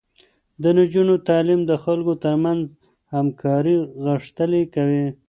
د نجونو تعليم د خلکو ترمنځ همکاري غښتلې کوي.